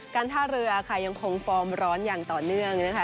การท่าเรือค่ะยังคงฟอร์มร้อนอย่างต่อเนื่องนะคะ